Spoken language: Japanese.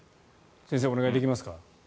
先生、お願いできますか。